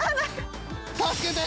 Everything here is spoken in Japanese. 助けて！